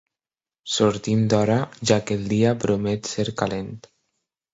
Sortim d'hora ja que el dia promet ser calent.